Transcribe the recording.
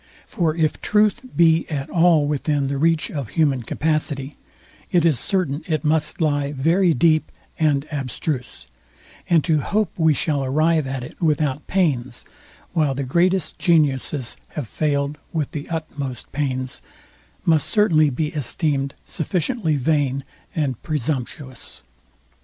For if truth be at all within the reach of human capacity, it is certain it must lie very deep and abstruse: and to hope we shall arrive at it without pains, while the greatest geniuses have failed with the utmost pains, must certainly be esteemed sufficiently vain and presumptuous.